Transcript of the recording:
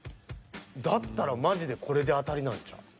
だったらマジでこれで当たりなんちゃう？